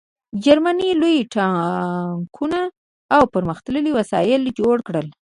جرمني لوی ټانکونه او پرمختللي وسایل جوړ کړل